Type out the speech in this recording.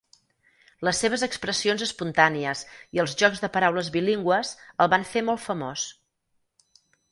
Les seves expressions espontànies i els jocs de paraules bilingües el van fer molt famós.